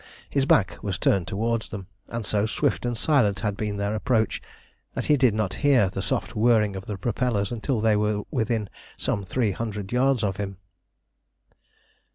His back was turned towards them, and so swift and silent had been their approach that he did not hear the soft whirring of the propellers until they were within some three hundred yards of him.